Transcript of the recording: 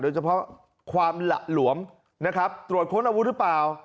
เฉพาะความหละหลวมนะครับตรวจค้นอาวุธหรือเปล่า